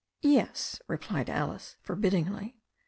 "Yes," replied Alice forbiddingly.